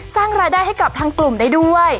สร้างรายได้ให้กับทางกลุ่มได้ด้วย